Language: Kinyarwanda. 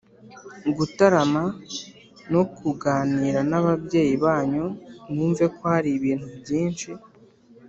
gutarama no kuganira n’ababyeyi banyu, mwumve ko hari ibintu byinshi